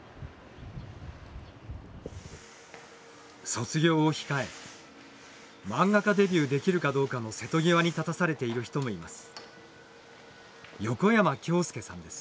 卒業を控え漫画家デビューできるかどうかの瀬戸際に立たされている人もいます。